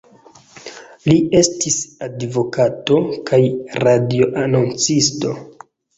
Li estis advokato kaj radio-anoncisto.